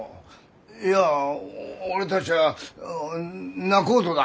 いや俺たちは仲人だ。